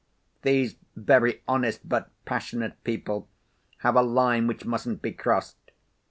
These very honest but passionate people have a line which mustn't be crossed.